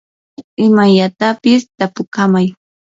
imallatapis tapukamay.